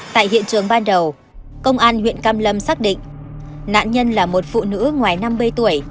tại hiện trường ban đầu công an huyện cam lâm xác định nạn nhân là một phụ nữ ngoài năm mươi tuổi